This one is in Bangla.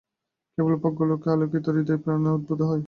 কেবল প্রজ্ঞালোকে আলোকিত হৃদয়ই প্রেরণায় উদ্বুদ্ধ হয়।